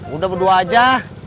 udah berdua aja